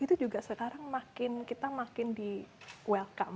itu juga sekarang makin kita makin di welcome